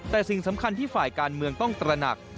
แต่สิ่งสำคัญที่ฝ่ายการเมืองต้องตระหนัก